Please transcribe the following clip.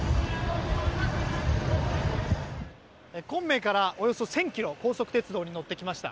昆明からおよそ１０００ｋｍ高速鉄道に乗って来ました。